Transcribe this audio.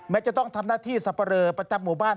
จะต้องทำหน้าที่สับปะเลอประจำหมู่บ้าน